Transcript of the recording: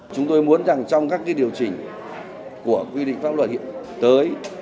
chúng tôi muốn rằng trong các cái điều chỉnh của quy định pháp luật hiện tới